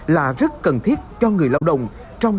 là rất cần thiết cho người lao động